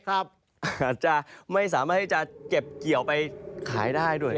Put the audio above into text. อาจจะไม่สามารถที่จะเก็บเกี่ยวไปขายได้ด้วย